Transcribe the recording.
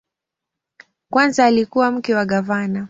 Kwanza alikuwa mke wa gavana.